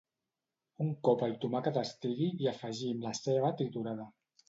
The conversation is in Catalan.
Un cop el tomàquet estigui, hi afegim la ceba triturada.